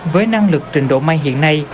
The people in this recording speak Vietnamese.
với năng lực trình độ may hiện nay